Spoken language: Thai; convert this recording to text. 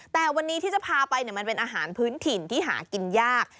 แต่วันนี้ที่จะพาไปมันเป็นอาหารพื้นถิ่นที่หากินยาก